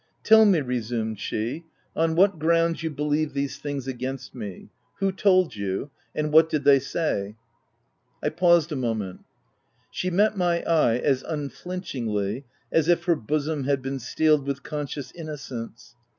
"Tell me," resumed she, "on what grounds you believe these things against me ; who told you ; and what did they say ?" I paused a moment. She met my eye as un flinchingly as if her bosom had been steeled with conscious innocence.